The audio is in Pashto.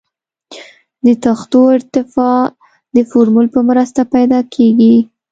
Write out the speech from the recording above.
د تختو ارتفاع د فورمول په مرسته پیدا کیږي